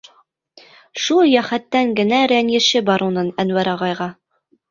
Шул йәһәттән генә рәнйеше бар уның Әнүәр ағайға.